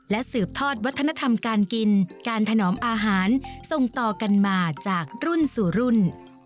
สืบทอดวัฒนธรรมการกินการถนอมอาหารส่งต่อกันมาจากรุ่นสู่รุ่น